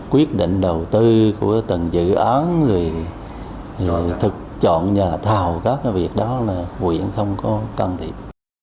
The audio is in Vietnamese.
quyết định đầu tư của từng dự án rồi thực chọn nhà thầu các việc đó là quyền không có can thiệp